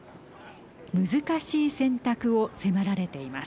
難しい選択を迫られています。